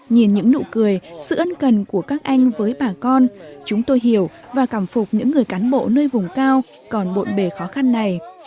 nhìn những nụ cười sự ân cần của các anh với bà con chúng tôi hiểu và cảm phục những người cán bộ nơi vùng cao còn bộn bề khó khăn này